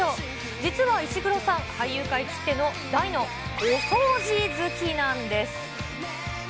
実は石黒さん、俳優界きっての大のお掃除好きなんです。